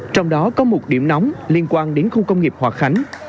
trong đó có một điểm nóng liên quan đến khu công nghiệp hòa khánh